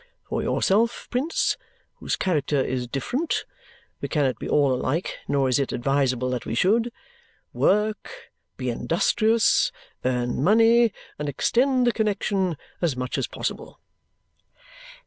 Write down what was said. For yourself, Prince, whose character is different (we cannot be all alike, nor is it advisable that we should), work, be industrious, earn money, and extend the connexion as much as possible."